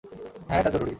হ্যাঁ, এটা জরুরি।